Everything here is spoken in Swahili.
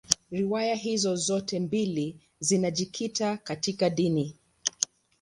Riwaya hizi zote mbili zinajikita katika dini.